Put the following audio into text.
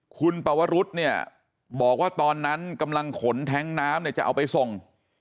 คุณปวรุษเนี่ยบอกว่าตอนนั้นกำลังขนแท้งน้ำเนี่ยจะเอาไปส่ง